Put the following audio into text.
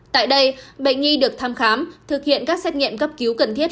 tại đây bệnh nhi được thăm khám thực hiện các xét nghiệm cấp cứu cần thiết